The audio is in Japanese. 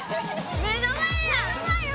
目の前よ